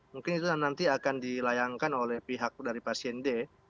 mungkin itu nanti akan dilayangkan oleh pihak dari pasien d